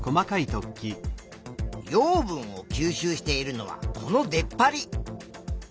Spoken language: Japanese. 養分を吸収しているのはこの出っ張り。